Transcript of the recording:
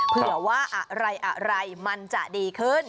เผื่อว่าอะไรมันจะดีขึ้น